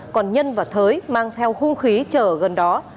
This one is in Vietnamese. còn nhân và thới mang theo hung khí chờ ở gần đó